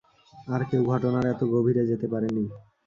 আর কেউ ঘটনার এত গভীরে যেতে পারেনি।